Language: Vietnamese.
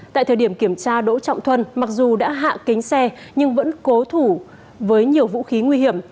tại thời điểm kiểm tra đỗ trọng thuân mặc dù đã hạ kính xe nhưng vẫn cố thủ với nhiều vũ khí nguy hiểm